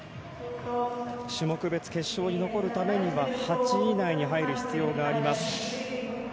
種目別決勝に残るためには８位以内に入る必要があります。